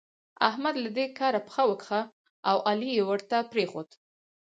احمد له دې کاره پښه وکښه او علي يې ورته پرېښود.